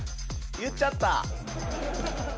言っちゃった。